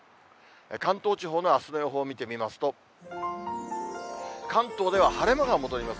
関東地方のあすの予報を見てみますと、関東では晴れ間が戻ります。